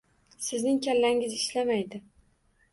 “Sizning kallangiz ishlamaydi?”